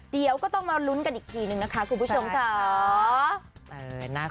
เดี๋ยวก็ต้องมาลุ้นกันอีกทีนึงนะคะคุณผู้ชมค่ะ